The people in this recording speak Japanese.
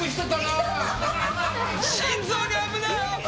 心臓に危ない！